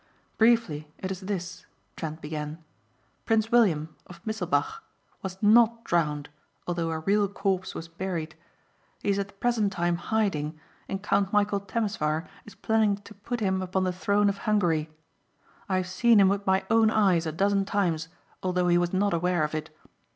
"Briefly it is this," Trent began, "Prince William, of Misselbach, was not drowned although a real corpse was buried. He is at the present time hiding and Count Michæl Temesvar is planning to put him upon the throne of Hungary. I have seen him with my own eyes a dozen times although he was not aware of it.